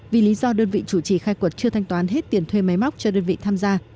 hoặc chưa thanh toán hết tiền thuê máy móc cho đơn vị tham gia